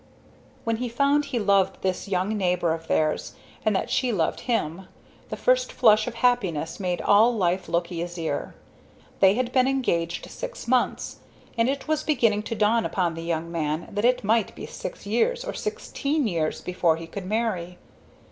When he found he loved this young neighbor of theirs, and that she loved him, the first flush of happiness made all life look easier. They had been engaged six months and it was beginning to dawn upon the young man that it might be six years or sixteen years before he could marry.